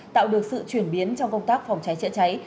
tạo được sự chuyển biến trong công tác phòng cháy chữa cháy